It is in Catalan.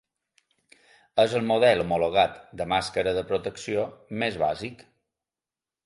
És el model homologat de màscara de protecció més bàsic.